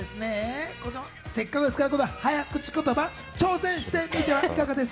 せっかくですからこの早口言葉、挑戦してみてはいかがです？